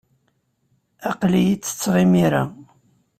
Aql-iyi ttetteɣ imir-a.